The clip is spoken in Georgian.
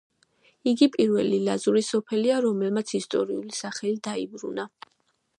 იგი პირველი ლაზური სოფელია, რომელმაც ისტორიული სახელი დაიბრუნა.